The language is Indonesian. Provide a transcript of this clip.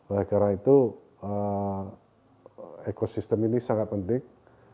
oleh karena itu ekosistem ini sangat penting